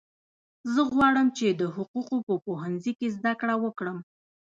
زه غواړم چې د حقوقو په پوهنځي کې زده کړه وکړم